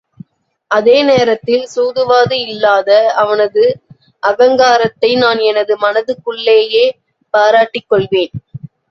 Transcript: அதே நேரத்தில் சூதுவாது இல்லாத அவனது அகங்காரத்தை நான் எனது மனதுக்குள்ளேயே பாராட்டிக் கொள்வேன்.